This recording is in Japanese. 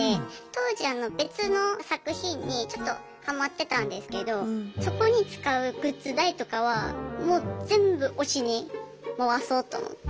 当時別の作品にちょっとハマってたんですけどそこに使うグッズ代とかはもう全部推しに回そうと思って。